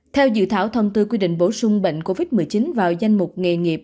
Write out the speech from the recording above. theo dự thảo thông tư quy định bổ sung bệnh covid một mươi chín vào danh mục nghề nghiệp